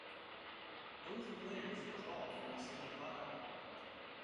Both players draw from the same pile.